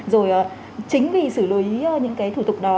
rồi chính vì xử lý những cái thủ tục đó